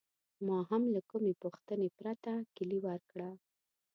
ما هم له کومې پوښتنې پرته کیلي ورکړه.